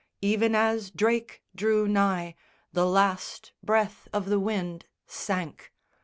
Even as Drake drew nigh, the last Breath of the wind sank.